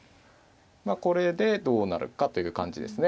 これでどうなるかという感じですね。